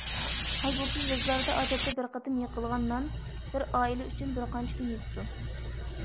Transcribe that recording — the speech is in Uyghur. ھالبۇكى، يېزىلاردا ئادەتتە بىر قېتىم يىقىلغان نان، بىر ئائىلە ئۈچۈن بىر قانچە كۈن يىتىدۇ.